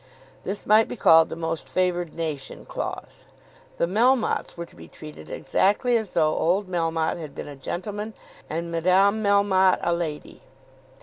This might be called the most favoured nation clause. The Melmottes were to be treated exactly as though old Melmotte had been a gentleman and Madame Melmotte a lady.